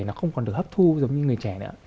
nó không còn được hấp thu giống như người trẻ nữa